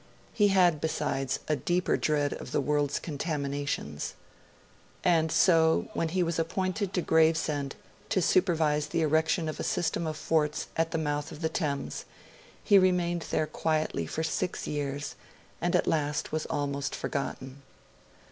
He had, besides, a deeper dread of the world's contaminations. And so, when he was appointed to Gravesend to supervise the erection of a system of forts at the mouth of the Thames, he remained there quietly for six years, and at last was almost forgotten.